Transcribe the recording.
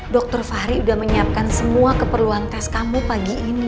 dokter fahri sudah menyiapkan semua keperluan tes kamu pagi ini